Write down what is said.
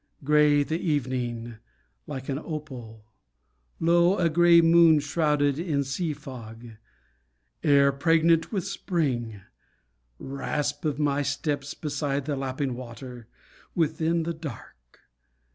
Grey The evening, like an opal; low, A grey moon shrouded in sea fog: Air pregnant with spring; rasp of my steps Beside the lapping water; within The dark.